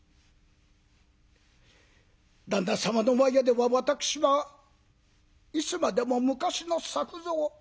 旦那様の前では私はいつまでも昔の作蔵。